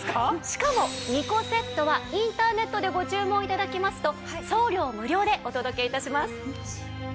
しかも２個セットはインターネットでご注文頂きますと送料無料でお届け致します。